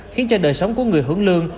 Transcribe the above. khiến cho đời sống của người hướng lương